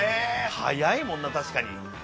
速いもんな確かに。